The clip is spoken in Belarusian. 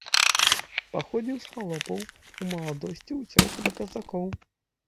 Паходзіў з халопаў, у маладосці ўцёк да казакоў.